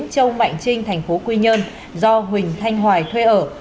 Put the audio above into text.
châu mạnh trinh thành phố quy nhơn do huỳnh thanh hoài thuê ở